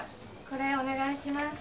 これお願いします